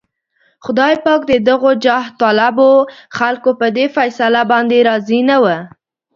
خدای پاک د دغو جاهطلبو خلکو په دې فيصله باندې راضي نه و.